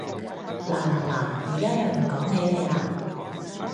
嗱嗱嗱！而家有人講起你喇！